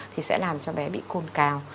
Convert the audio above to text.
thì sẽ làm cho bé bị côn cao